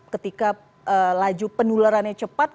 ketika laju penularannya cepat